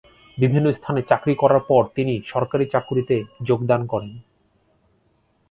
বিভিন্ন স্থানে চাকরি করার পর তিনি সরকারী চাকরিতে যোগদান করেন।